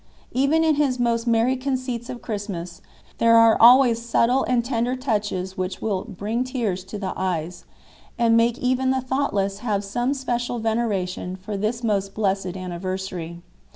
Even in his most merry conceits of Christmas, there are always subtle and tender touches which will bring tears to the eyes, and make even the thoughtless have some special veneration for this most blessed anniversary.